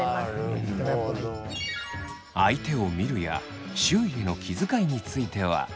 相手を見るや周囲への気遣いについては。